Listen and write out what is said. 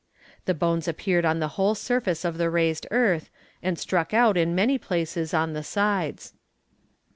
The bones appeared on the whole surface of the raised earth, and struck out in many places on the sides.